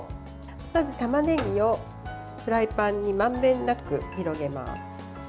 まず、たまねぎをフライパンにまんべんなく広げます。